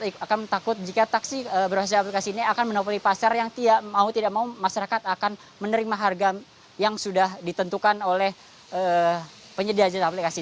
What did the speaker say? mereka akan takut jika taksi berbasis aplikasi ini akan menopoli pasar yang mau tidak mau masyarakat akan menerima harga yang sudah ditentukan oleh penyedia jasa aplikasi